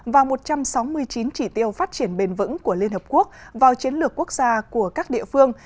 và một trăm sáu mươi chín chỉ tiêu phát triển bền vững của liên hợp quốc vào chiến lược quốc gia của các địa phương